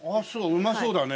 うまそうだね。